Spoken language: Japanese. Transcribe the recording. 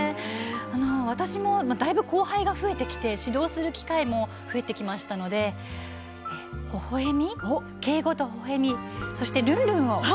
私もだいぶ後輩が増えてきて指導する機会も増えてきましたので敬語とほほえみそしてルンルンを。